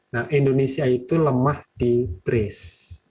nah indonesia itu lemah di trace